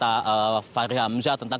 cara peradalan kandang